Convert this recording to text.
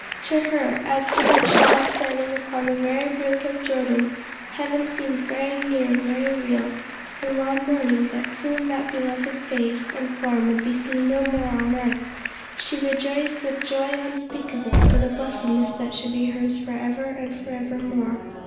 To her, as to her child standing upon the very brink of Jordan, heaven seemed very near, very real, and while mourning that soon that beloved face and form would be seen no more on earth she rejoiced with joy unspeakable, for the blessedness that should be hers forever and forevermore.